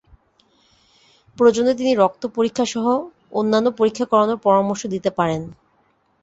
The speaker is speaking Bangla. প্রয়োজনে তিনি রক্ত পরীক্ষাসহ অন্যান্য পরীক্ষা করানোর পরামর্শ দিতে পারেন।